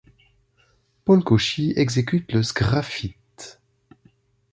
Paul Cauchie exécute le sgraffite.